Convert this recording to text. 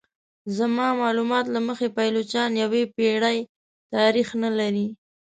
زما معلومات له مخې پایلوچان یوې پیړۍ تاریخ نه لري.